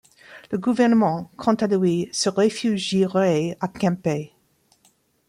Le gouvernement, quant à lui, se réfugierait à Quimper.